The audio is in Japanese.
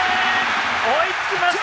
追いつきました！